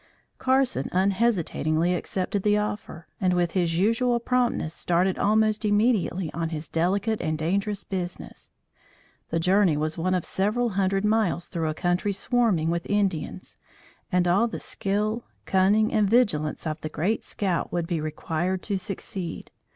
Carson unhesitatingly accepted the offer and with his usual promptness started almost immediately on his delicate and dangerous business. The journey was one of several hundred miles through a country swarming with Indians, and all the skill, cunning and vigilance of the great scout would be required to succeed.